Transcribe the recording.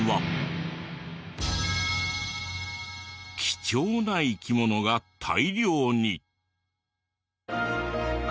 貴重な生き物が大量に。